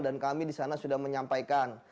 dan kami di sana sudah menyampaikan